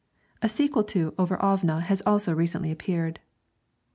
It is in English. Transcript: A sequel to 'Over Ævne' has also recently appeared.